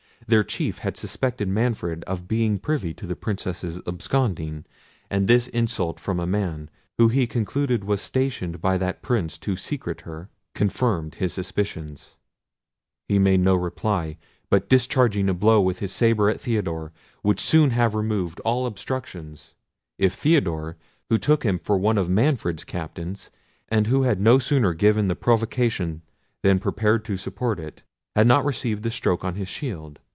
Their chief had suspected Manfred of being privy to the Princess's absconding, and this insult from a man, who he concluded was stationed by that Prince to secrete her, confirming his suspicions, he made no reply, but discharging a blow with his sabre at Theodore, would soon have removed all obstruction, if Theodore, who took him for one of Manfred's captains, and who had no sooner given the provocation than prepared to support it, had not received the stroke on his shield.